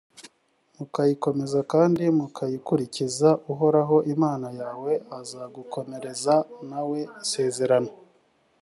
mukayikomeza kandi mukayikurikiza, uhoraho imana yawe azagukomereza nawe isezerano.